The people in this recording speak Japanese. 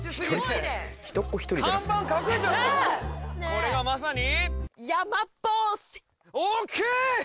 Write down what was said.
これはまさに。